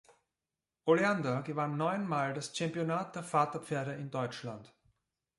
Oleander gewann neunmal das Championat der Vaterpferde in Deutschland.